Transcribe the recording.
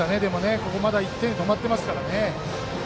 ここまだ１点で止まってますからね。